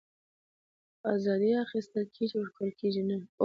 آزادي اخيستل کېږي ورکول کېږي نه